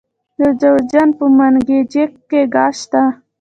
د جوزجان په منګجیک کې ګاز شته.